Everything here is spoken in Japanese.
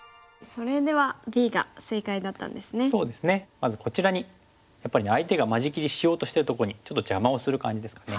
まずこちらにやっぱりね相手が間仕切りしようとしてるとこにちょっと邪魔をする感じですかね。